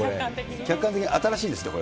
客観的に、新しいですね、これ。